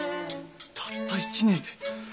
たった１年で！